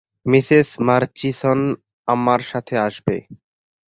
Mrs Murchison আমার সাথে আসবে।